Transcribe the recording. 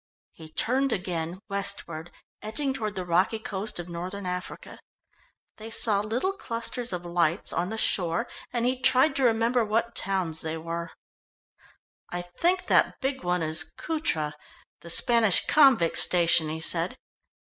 He turned again westward, edging toward the rocky coast of northern Africa. They saw little clusters of lights on the shore, and he tried to remember what towns they were. "I think that big one is Cutra, the Spanish convict station," he said.